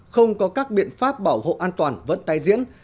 không có các biện pháp bảo hộ an toàn vẫn tái diễn